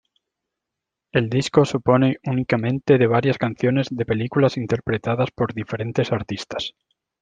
El disco supone únicamente de varias canciones de películas interpretadas por diferentes artistas.